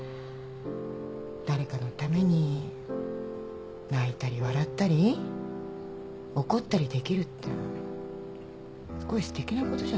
誰かのために泣いたり笑ったり怒ったりできるってすごいすてきなことじゃない？